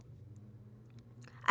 anh hải trích quỹ vì đồng bào để mua